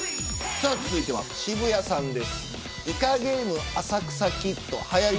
さあ、続いては渋谷さんです。